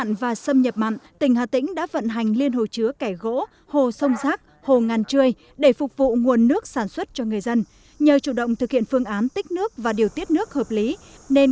nên các tỉnh đã vận hành liên hộ chứa cải gỗ hồ sông giác hồ ngàn trươi để phục vụ nguồn nước sản xuất cho người dân